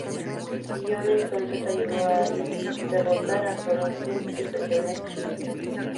Ion entonces ayudó a Aries derrotar a Sorensen y retener su título.